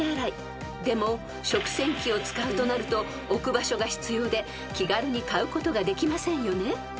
［でも食洗機を使うとなると置く場所が必要で気軽に買うことができませんよね］